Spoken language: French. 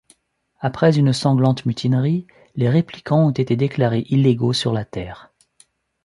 Après une sanglante mutinerie, les Réplicants ont été déclarées illégaux sur la Terre.